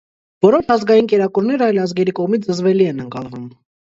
Որոշ ազգային կերակուրներ այլ ազգերի կողմից զզվելի են ընկալվում։